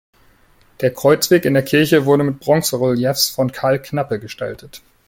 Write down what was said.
Der Kreuzweg in der Kirche wurde mit Bronzereliefs von Karl Knappe gestaltet.